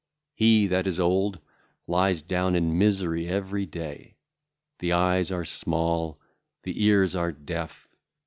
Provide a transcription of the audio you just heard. He [that is old] lieth down in misery every day. The eyes are small; the ears are deaf.